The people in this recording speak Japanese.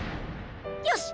よし！